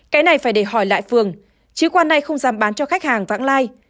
cái này phải để hỏi lại phường chứ quan này không dám bán cho khách hàng vãng lai